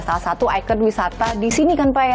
salah satu ikon wisata di sini kan pak ya